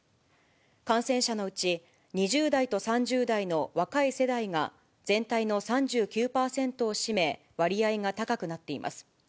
感染者のうち２０代と３０代の若い世代が全体の３９％を占め、割合が高くなっています。